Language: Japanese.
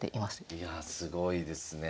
いやすごいですね。